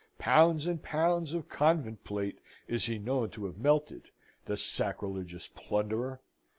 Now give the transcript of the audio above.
Pounds and pounds of convent plate is he known to have melted, the sacrilegious plunderer!